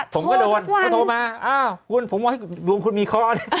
ผมก็โดนเขาโทรมาอ้าวคุณผมว่าดวงคุณมีเคาะ